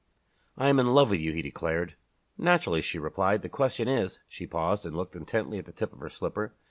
"I am in love with you," he declared. "Naturally," she replied. "The question is " She paused and looked intently at the tip of her slipper.